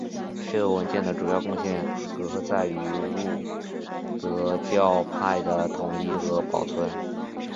这个文件的主要贡献革在于路德教派的统一和保存。